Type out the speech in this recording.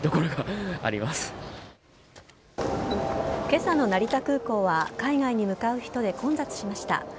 今朝の成田空港は海外に向かう人で混雑しました。